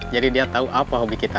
jadi dia tau apa hobi kita